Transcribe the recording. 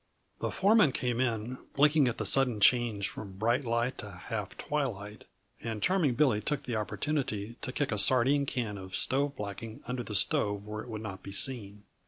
_ The foreman came in, blinking at the sudden change from bright light to half twilight, and Charming Billy took the opportunity to kick a sardine can of stove blacking under the stove where it would not be seen.